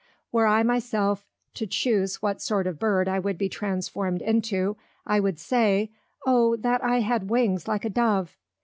_ Were I my self to chuse what sort of Bird I would be transformed into, I would say, _O that I had wings like a Dove!